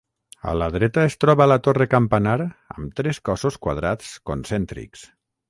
A la dreta es troba la torre campanar amb tres cossos quadrats concèntrics.